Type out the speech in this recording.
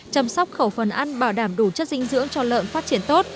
chăm sóc khẩu phần ăn bảo đảm đủ chất dinh dưỡng cho lợn phát triển tốt